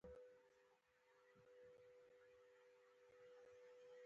یو ځل زما په ځولۍ کې را و چوه، په هر حال.